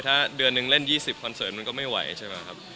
ถ้าเดือนนึงเล่น๒๐คอนเสิร์ตมันก็ไม่ไหวใช่ไหมครับ